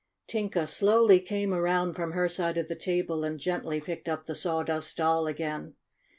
Tinka slowly came around from her side of the table, and gently picked up the Sawdust Doll again.